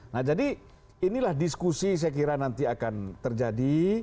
nah jadi inilah diskusi saya kira nanti akan terjadi